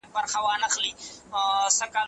انسانان په هیڅ ټولنه کي ورته فکري میلان نه لري.